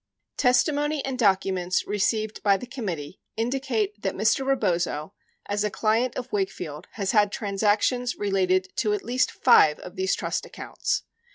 Testimony and documents received by the committee indicate that Mr. Rebozo, as a client of Wakefield, has had transactions related to at least five of these trust accounts.